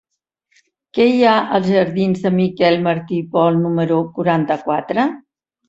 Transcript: Què hi ha als jardins de Miquel Martí i Pol número quaranta-quatre?